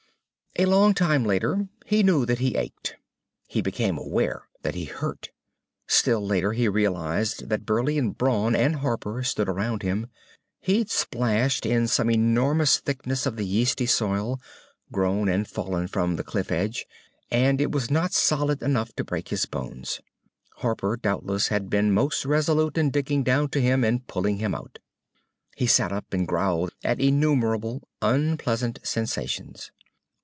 A long time later he knew that he ached. He became aware that he hurt. Still later he realized that Burleigh and Brawn and Harper stood around him. He'd splashed in some enormous thickness of the yeasty soil, grown and fallen from the cliff edge, and it was not solid enough to break his bones. Harper, doubtless, had been most resolute in digging down to him and pulling him out. He sat up, and growled at innumerable unpleasant sensations.